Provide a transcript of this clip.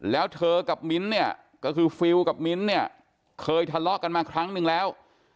แล้วเธอกับมิ้นท์เนี่ยก็คือฟิลกับมิ้นท์เนี่ยเคยทะเลาะกันมาครั้งหนึ่งแล้ว